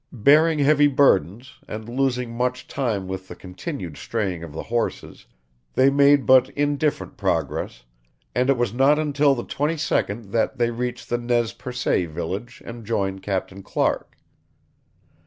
Bearing heavy burdens, and losing much time with the continued straying of the horses, they made but indifferent progress, and it was not until the 22d that they reached the Nez Percé village and joined Captain Clark.